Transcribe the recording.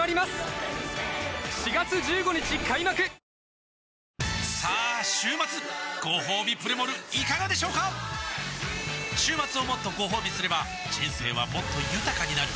でも］さあ週末ごほうびプレモルいかがでしょうか週末をもっとごほうびすれば人生はもっと豊かになる！